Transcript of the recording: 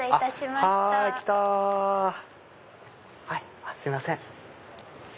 すいません。